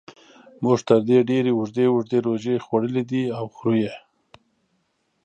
موږ تر دې ډېرې اوږدې اوږدې روژې خوړلې دي او خورو یې.